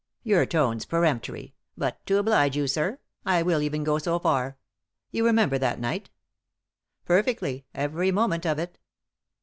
" Your tone's peremptory ; but, to oblige you, sir, I will even go so far. You remember that night ?" rt Perfectly, every moment of it."